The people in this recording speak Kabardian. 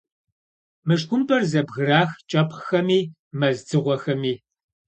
Мышхумпӏэр зэбгырах кӏэпхъхэми, мэз дзыгъуэхэми.